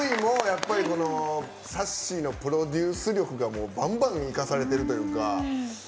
ＭＶもさっしーのプロデュース力がバンバン生かされてるというか。